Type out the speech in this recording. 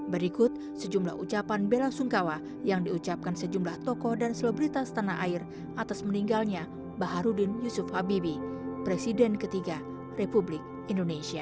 berikut sejumlah ucapan bela sungkawa yang diucapkan sejumlah tokoh dan selebritas tanah air atas meninggalnya baharudin yusuf habibi presiden ketiga republik indonesia